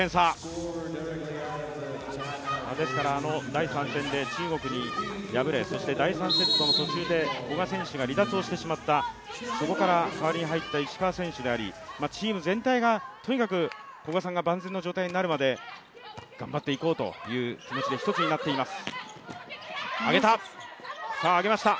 第３戦で中国に敗れそして第３セットの途中で古賀選手が離脱をしてしまったそこから代わりに入った石川選手であり、チーム全体がとにかく古賀さんが万全の状態になるまで頑張っていこうという気持ちで、一つになっています。